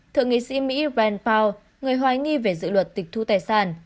thượng nghị sĩ mỹ brand paul người hoài nghi về dự luật tịch thu tài sản